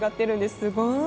すごい。